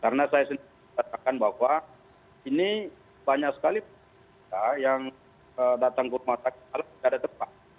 karena saya sendiri menyatakan bahwa ini banyak sekali yang datang ke rumah sakit malam tidak ada tempat